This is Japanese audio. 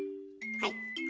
はい。